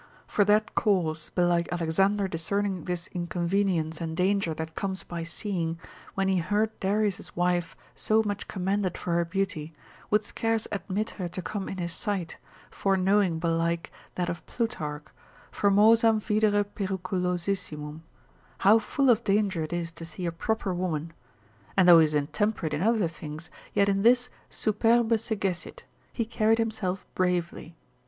For that cause belike Alexander discerning this inconvenience and danger that comes by seeing, when he heard Darius's wife so much commended for her beauty, would scarce admit her to come in his sight, foreknowing belike that of Plutarch, formosam videre periculosissimum, how full of danger it is to see a proper woman, and though he was intemperate in other things, yet in this superbe se gessit, he carried himself bravely.